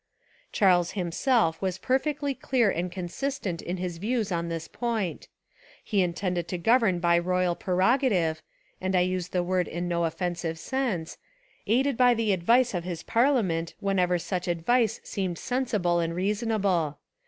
Charles himself was perfectly clear and con sistent in his views on this point. He intended to govern by royal prerogative (and I use the word In no offensive sense), aided by the ad vice of his parliament whenever such advice seemed sensible and reasonable.